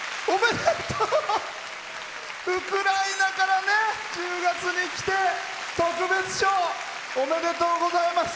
ウクライナから１０月に来て特別賞！おめでとうございます。